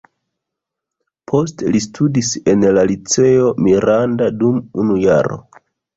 Poste li studis en la "Liceo Miranda" dum unu jaro.